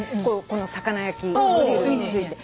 この魚焼きグリルについて。